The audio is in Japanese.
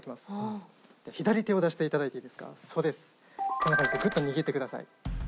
こんな感じでグッと握ってください。